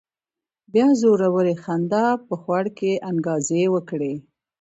بيا زورورې خندا په خوړ کې انګازې وکړې.